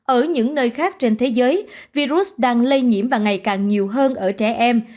ở những nơi khác trên thế giới virus đang lây nhiễm và ngày càng nhiều hơn ở trẻ em